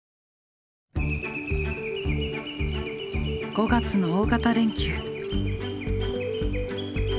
５月の大型連休。